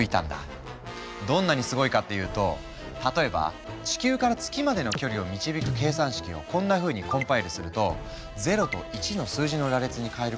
どんなにすごいかっていうと例えば地球から月までの距離を導く計算式をこんなふうにコンパイルすると０と１の数字の羅列に変えることに成功。